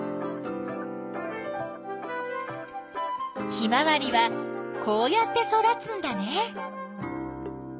ヒマワリはこうやって育つんだね。